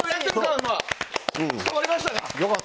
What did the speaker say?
伝わりましたか？